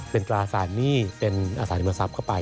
เป็นตราสารหนี้เป็นอสาริมทรัพย์เข้าไป